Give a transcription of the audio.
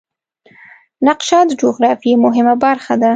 نقشه د جغرافیې مهمه برخه ده.